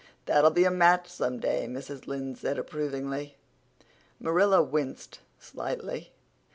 "That'll be a match some day," Mrs. Lynde said approvingly. Marilla winced slightly.